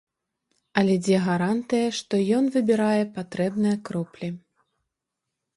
Але дзе гарантыя, што ён выбірае патрэбныя кроплі?